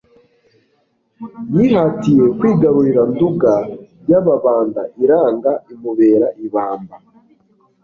yihatiye kwigaruria Nduga y'Ababanda iranga imubera ibamba.